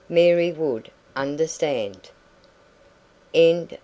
Mary would understand.